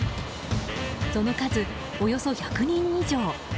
その数、およそ１００人以上。